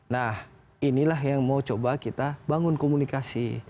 nah inilah yang mau coba kita bangun komunikasi